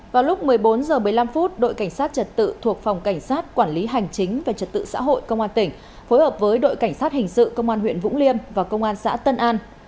vào lúc một mươi bốn h một mươi năm đội cảnh sát trật tự thuộc phòng cảnh sát quản lý hành chính về trật tự xã hội công an tỉnh phối hợp với đội cảnh sát hình sự công an huyện vũng liêm và công an xã tân an